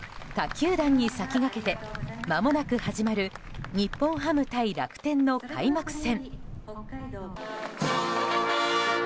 球団に先駆けてまもなく始まる日本ハム対楽天の開幕戦。